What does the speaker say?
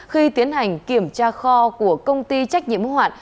khi tiến hành kiểm tra kho của công ty trách nhiệm hoạn